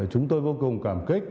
chúng tôi vô cùng cảm cảm